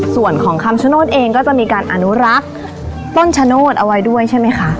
ส่วนของคำชโนธเองก็จะมีการอนุรักษ์ต้นชะโนธเอาไว้ด้วยใช่ไหมคะ